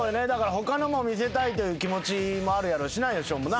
他のも見せたいという気持ちもあるやろうしなよしおもな。